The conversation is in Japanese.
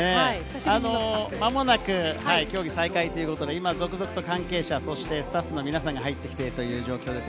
まもなく競技再開ということで続々と関係者、そしてスタッフの皆さんが入ってきているという状況です。